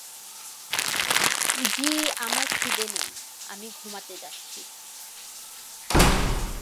জি আমার খিদে নেই, আমি ঘুমাতে যাচ্ছি।